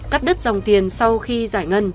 cắt đứt dòng tiền sau khi giải ngân